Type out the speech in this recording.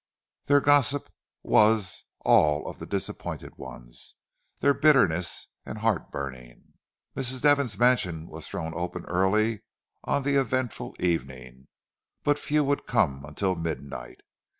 Their gossip was all of the disappointed ones, and their bitterness and heartburning. Mrs. Devon's mansion was thrown open early on the eventful evening, but few would come until midnight.